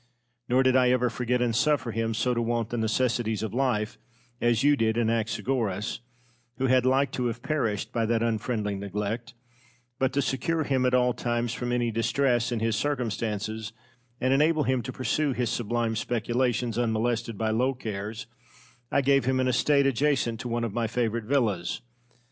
Nor did I ever forget and suffer him so to want the necessaries of life as you did Anaxagoras, who had like to have perished by that unfriendly neglect; but to secure him at all times from any distress in his circumstances, and enable him to pursue his sublime speculations unmolested by low cares, I gave him an estate adjacent to one of my favourite villas.